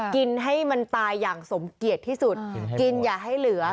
กินให้มันตายอย่างสมเกียจที่สุดกินอย่าให้เหลือ